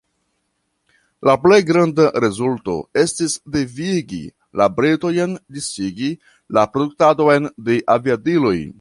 La plej granda rezulto estis devigi la britojn disigi la produktadon de aviadiloj.